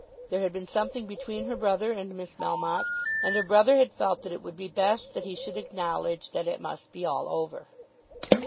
There had been something between her brother and Miss Melmotte, and her brother had felt that it would be best that he should acknowledge that it must be all over.